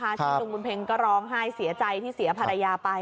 ที่ลุงบุญเพ็งก็ร้องไห้เสียใจที่เสียภรรยาไป